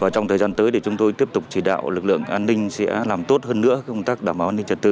trong thời gian tới thì chúng tôi tiếp tục chỉ đạo lực lượng an ninh sẽ làm tốt hơn nữa công tác đảm bảo an ninh trật tự